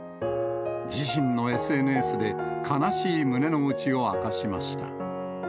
自身のＳＮＳで、悲しい胸の内を明かしました。